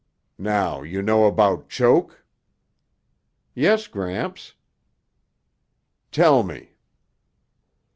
Now you know about choke?" "Yes, Gramps." "Tell me."